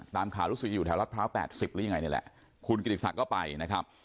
ตามข่าวรู้สึกอยู่แถวรัฐพร้าว๘๐หรือยังไงนี่แหละคุณกิติศักดิ์ก็ไปนะครับ